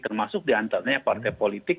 termasuk diantaranya partai politik